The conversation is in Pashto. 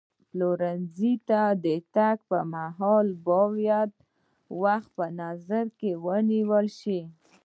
پلورنځي ته د تللو پر مهال باید وخت په نظر کې ونیول شي.